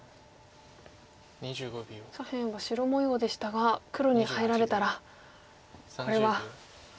左辺は白模様でしたが黒に入られたらこれは。